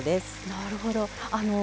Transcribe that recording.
なるほど。